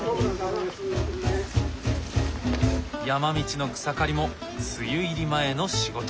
山道の草刈りも梅雨入り前の仕事。